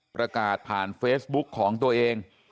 ประกาศผ่านเฟซบุ๊กของตัวเอง